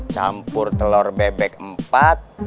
campur telur bebek empat